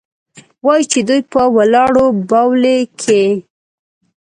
وايي چې دوى په ولاړو بولې کيې.